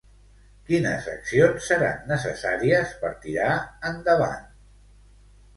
Quines accions seran necessàries per tirar endavant?